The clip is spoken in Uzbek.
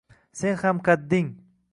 Sen ham qadding